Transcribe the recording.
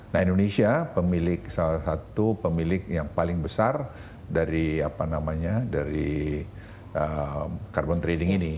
nah indonesia pemilik salah satu pemilik yang paling besar dari carbon trading ini